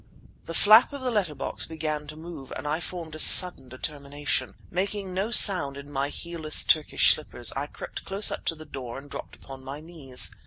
The flap of the letter box began to move, and I formed a sudden determination. Making no sound in my heelless Turkish slippers I crept close up to the door and dropped upon my knees.